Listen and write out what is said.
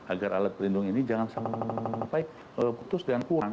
agar alat perlindung ini jangan sampai putus dan kurang